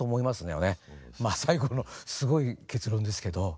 まあ最後のすごい結論ですけど。